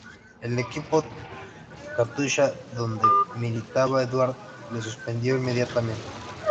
El equipo Katusha donde militaba Eduard, le suspendió inmediatamente.